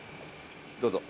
どうぞ。